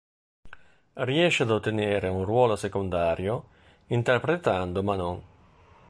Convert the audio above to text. Riesce ad ottenere un ruolo secondario, interpretando Manon.